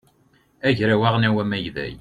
agraw aɣelnaw amagday